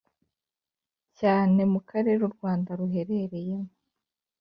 cyane mu karere u Rwanda ruherereyemo